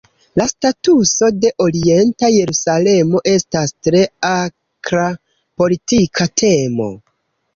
La statuso de Orienta Jerusalemo estas tre akra politika temo.